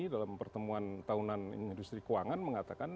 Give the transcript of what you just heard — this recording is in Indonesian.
dalam pertemuan tahunan industri keuangan mengatakan